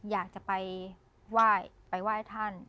อยากจะไปไหว้ไปไหว้ท่าน